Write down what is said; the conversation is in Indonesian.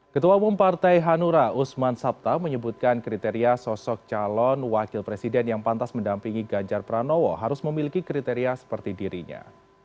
ketua umum partai hanura usman sabta menyebutkan kriteria sosok calon wakil presiden yang pantas mendampingi ganjar pranowo harus memiliki kriteria seperti dirinya